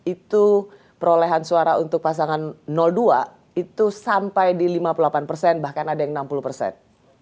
itu perolehan suara untuk pasangan dua itu sampai di lima puluh delapan persen bahkan ada yang enam puluh persen